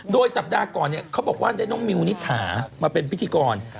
ด้วยสัปดาห์ก่อนเขาบอกว่าน้องมิวนิษฐามาเป็นพิธีกร